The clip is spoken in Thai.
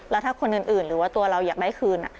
แล้วถ้าคนอื่นหรือว่าตัวเราอยากได้คืน